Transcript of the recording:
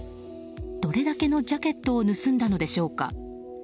どれだけのジャケットを盗んだのでしょうか。